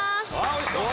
おいしそう！